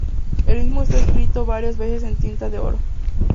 El mismo está escrito varias veces en tinta de oro.